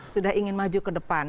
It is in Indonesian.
sudah ingin maju ke depan